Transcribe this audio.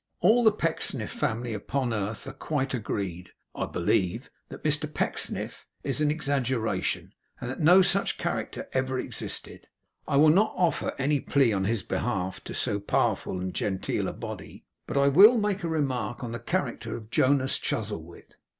All the Pecksniff family upon earth are quite agreed, I believe, that Mr Pecksniff is an exaggeration, and that no such character ever existed. I will not offer any plea on his behalf to so powerful and genteel a body, but will make a remark on the character of Jonas Chuzzlewit.